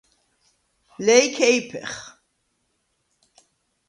ლეჲქეიფეხ.